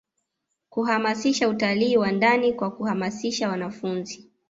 kuhamasisha utali wa ndani kwa kuhamasisha wanafunzi